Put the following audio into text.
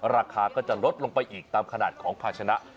ราคาก็จะลดลงไปอีกตามขนาดของภาชนะ